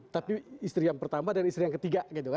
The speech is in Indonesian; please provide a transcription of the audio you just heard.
tapi istri yang pertama dan istri yang ketiga